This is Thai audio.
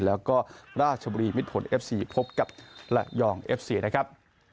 แล้วก็ราชบุรีมิดผลเอฟซีพบกับระยองเอฟซีนะครับ